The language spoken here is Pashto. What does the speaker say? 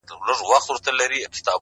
د غم شپيلۍ راپسي مه ږغـوه؛